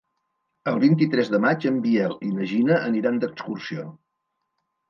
El vint-i-tres de maig en Biel i na Gina aniran d'excursió.